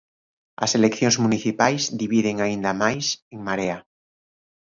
As eleccións municipais dividen aínda máis En Marea.